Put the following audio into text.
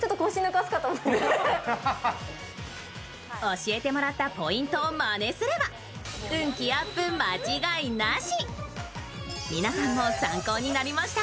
教えてもらったポイントをまねすれば、運気アップ間違いなし！